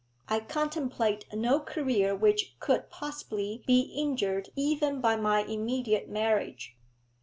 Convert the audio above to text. I contemplate no career which could possibly be injured even by my immediate marriage.